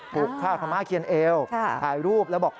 ปลูกฆ่าคำมาเขียนเอวถ่ายรูปแล้วบอก